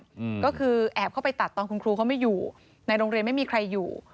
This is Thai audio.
อืมก็คือแอบเข้าไปตัดตอนคุณครูเขาไม่อยู่ในโรงเรียนไม่มีใครอยู่